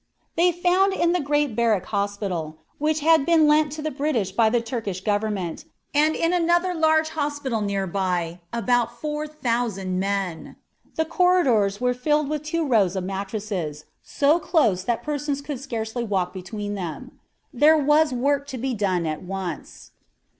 They found in the great Barrack Hospital, which had been lent to the British by the Turkish government, and in another large hospital near by, about four thousand men. The corridors were filled with two rows of mattresses, so close that two persons could scarcely walk between them. There was work to be done at once.